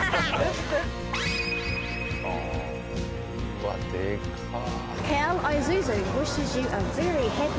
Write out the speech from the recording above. うわあでかっ。